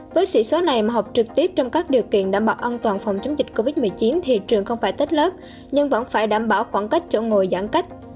với sĩ số này mà học trực tiếp trong các điều kiện đảm bảo an toàn phòng chống dịch covid một mươi chín thì trường không phải tách lớp nhưng vẫn phải đảm bảo khoảng cách chỗ ngồi giãn cách